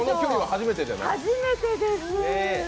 初めてです。